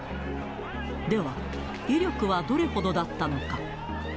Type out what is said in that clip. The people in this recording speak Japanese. では、威力はどれほどだったのか。